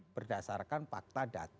berdasarkan fakta data dan memiliki